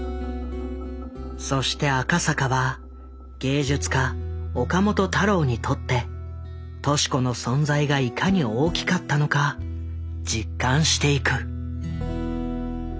そして赤坂は芸術家岡本太郎にとって敏子の存在がいかに大きかったのか実感していく。